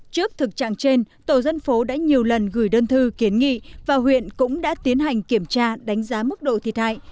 trước thực trạng trên tổ dân phố đã nhiều lần gửi đơn thư kiến nghị và huyện cũng đã tiến hành kiểm tra đánh giá mức độ thiệt hại